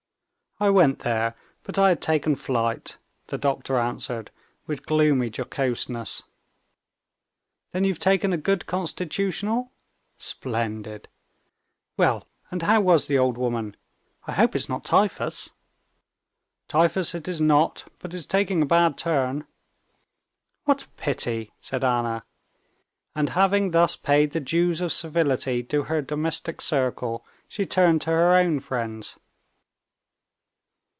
"I went there, but I had taken flight," the doctor answered with gloomy jocoseness. "Then you've taken a good constitutional?" "Splendid!" "Well, and how was the old woman? I hope it's not typhus?" "Typhus it is not, but it's taking a bad turn." "What a pity!" said Anna, and having thus paid the dues of civility to her domestic circle, she turned to her own friends.